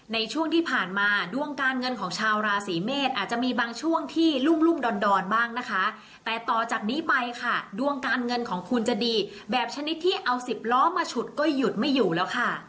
ในช่วงที่ผ่านมาดวงการเงินของชาวราศีเมษอาจจะมีบางช่วงที่รุ่มดอนบ้างนะคะแต่ต่อจากนี้ไปค่ะดวงการเงินของคุณจะดีแบบชนิดที่เอาสิบล้อมาฉุดก็หยุดไม่อยู่แล้วค่ะ